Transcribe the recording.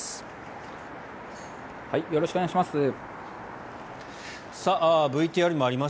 よろしくお願いします。